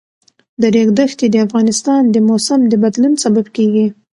د ریګ دښتې د افغانستان د موسم د بدلون سبب کېږي.